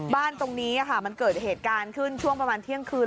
บ้านตรงนี้มันเกิดเหตุการณ์ขึ้นช่วงประมาณเที่ยงคืน